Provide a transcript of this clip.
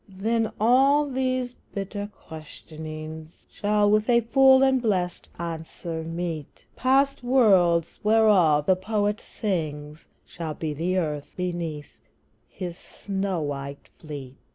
Then all these bitter questionings Shall with a full and blessèd answer meet; Past worlds, whereof the Poet sings, Shall be the earth beneath his snow white fleet.